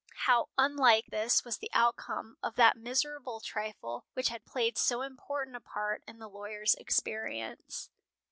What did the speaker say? How unlike this was the outcome of that miserable trifle which had played so important a part in the lawyer's experience.